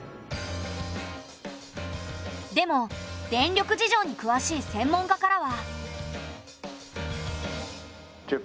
でも電力事情にくわしい専門家からは。